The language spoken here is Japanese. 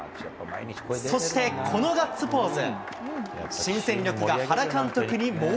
そして、このガッツポーズ。